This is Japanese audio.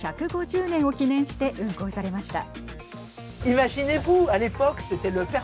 １５０年を記念して運行されました。